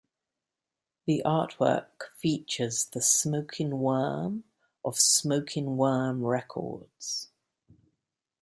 The Artwork features the Smokin' Worm of Smokin' Worm records.